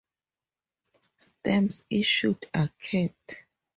Stamps issued are cat.